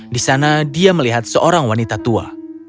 di sana dia melihat seorang wanita tua